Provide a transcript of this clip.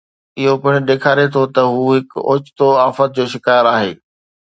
اهو پڻ ڏيکاري ٿو ته هو هڪ اوچتو آفت جو شڪار آهي